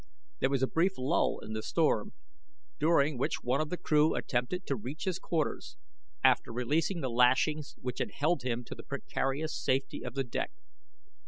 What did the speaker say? There was a brief lull in the storm during which one of the crew attempted to reach his quarters, after releasing the lashings which had held him to the precarious safety of the deck.